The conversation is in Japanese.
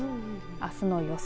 あすの予想